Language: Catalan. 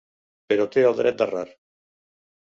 Però té el dret d’errar.